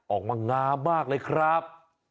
ออกมางามมากเลยครับ